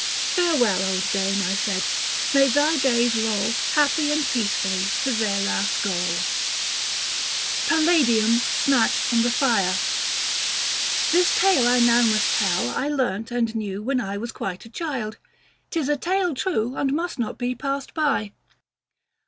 Farewell, old dame, I said ; may thy days roll Happy and peacefully to their last goal. Book VI. THE FASTI. 191 PALLADIUM SNATCHED FROM THE FIRE. The tale I now must tell I learnt and knew 490 When I was quite a child ; 'tis a tale true, And must not be passed by.